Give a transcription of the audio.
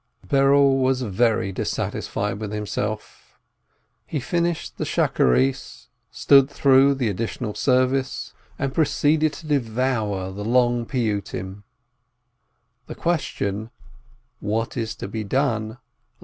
Berel was very dissatisfied with himself. He finished the Morning Prayer, stood through the Additional Service, and proceeded to devour the long Piyyutim. The question, What is to be done?